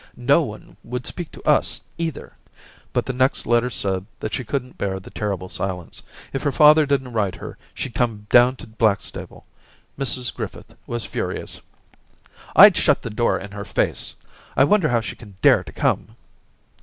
No one would speak to us either.' But the next letter said that she couldn't bear the terrible silence ; if her father didn't write she'd come down to Blackstable. Mrs Griffith was furious. * I'd shut the door in her face ; I wonder how she can dare to come.'